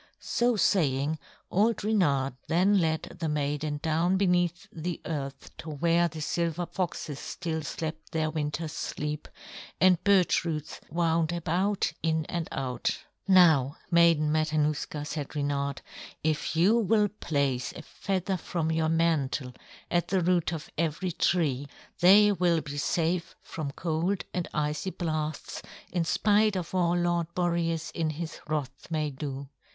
So saying, old Reynard then led the maiden down beneath the earth to where the silver foxes still slept their winter's sleep, and birch roots wound about in and out. "Now, Maiden Matanuska," said Reynard, "if you will place a feather from your mantle at the root of every tree, they will be safe from cold and icy blasts, in spite of all Lord Boreas in his wrath may do.